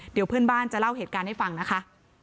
เดี๋ยวเพื่อนบ้านจะเล่าเหตุการณ์ให้ฟังนะคะ